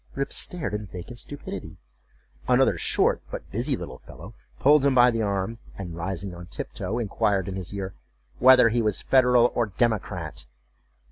Rip stared in vacant stupidity. Another short but busy little fellow pulled him by the arm, and, rising on tiptoe, inquired in his ear, "Whether he was Federal or Democrat?"